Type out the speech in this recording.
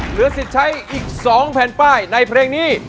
เหลือสิทธิ์ใช้อีก๒แผ่นป้ายในเพลงนี้